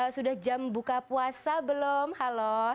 sudah jam buka puasa belum halo